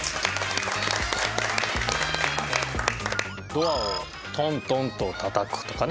「ドアをトントンとたたく」とかね。